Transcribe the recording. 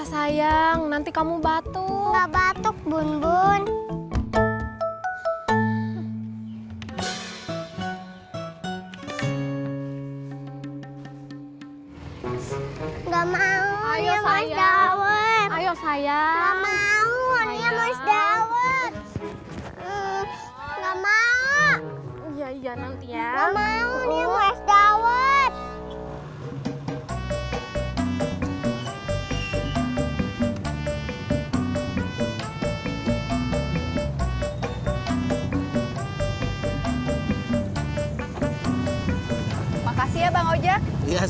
sampai jumpa di video selanjutnya